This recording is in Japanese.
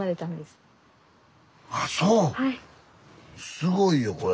すごいよこれ。